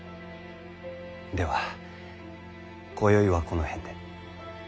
ではこよいはこの辺で。